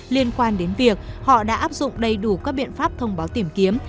liên quan đến việc họ đã áp dụng đầy đủ các biện pháp thông báo tìm kiếm